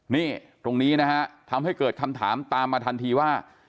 นี่ตรงนี้นะฮะทำให้เกิดคำถามตามมาทันทีว่า